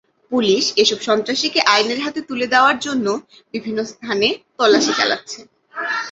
Police এসব সন্ত্রাসীকে আইনের হাতে তুলে দেওয়ার জন্যে বিভিন্ন স্থানে তল্লাশি চালাচ্ছে।